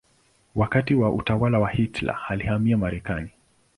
Wakati wa utawala wa Hitler alihamia Marekani.